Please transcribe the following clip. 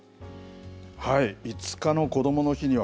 ５日のこどもの日には。